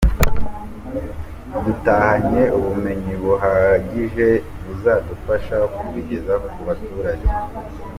Dutahanye ubumenyi buhagije buzadufasha kubigeza ku baturage.